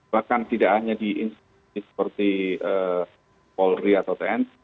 bahkan tidak hanya di institusi seperti polri atau tni